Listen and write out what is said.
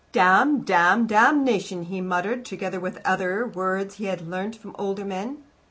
"Damn, damn, damnation!" he murmured, together with such other words as he had learnt from older men.